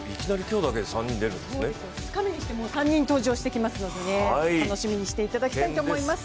２日目にして３人登場しますので楽しみにしていただきたいと思います。